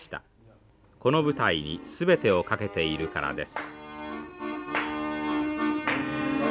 この舞台に全てをかけているからです。